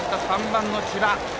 ３番の千葉。